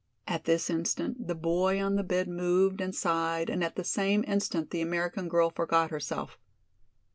At this instant the boy on the bed moved and sighed and at the same instant the American girl forgot herself.